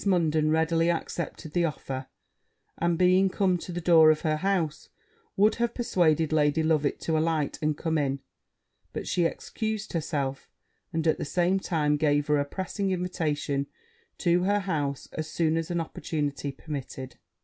Munden readily accepted the offer; and, being come to the door of her house, would have persuaded Lady Loveit to alight and come in: but she excused herself; and, at the same time, gave her a pressing invitation to her house as soon as an opportunity permitted.